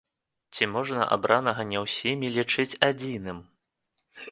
Ці можна абранага не ўсімі лічыць адзіным?